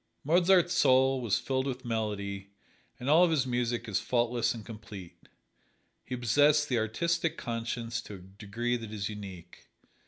Mozart's soul was filled with melody, and all of his music is faultless and complete. He possessed the artistic conscience to a degree that is unique.